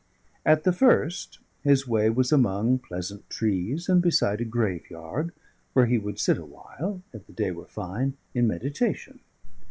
At the first his way was among pleasant trees and beside a graveyard, where he would sit a while, if the day were fine, in meditation.